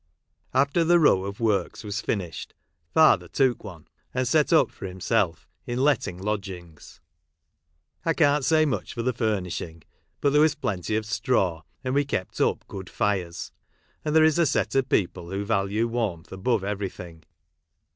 After the row of works was finished, father took one, and set up for himself, in letting lodgings. I can't say much for the furnish ing ; but there was plenty of straw, and we kept up good fires ; and there is a set of people who value warmth above everything.